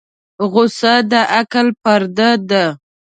غوسه د عقل پرده ده.